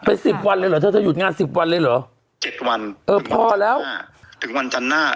เป็นสิบวันเลยเหรอเธอเธอหยุดงานสิบวันเลยเหรอเจ็ดวันเออพอแล้วอ่าถึงวันจันทร์หน้า